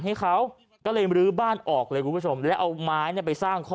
ให้เขาก็เลยมรื้อบ้านออกเลยคุณผู้ชมแล้วเอาไม้เนี่ยไปสร้างข้อ